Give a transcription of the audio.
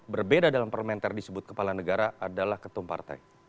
berbeda dalam perlamentar disebut kepala negara adalah ketom partai